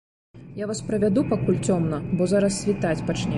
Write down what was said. Я вас правяду, пакуль цёмна, бо зараз світаць пачне.